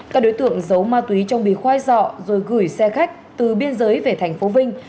các đối tượng giấu ma túy trong bì khoai dọ rồi gửi xe khách từ biên giới về thành phố vinh